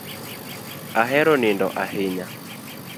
Ahero nindo ahinya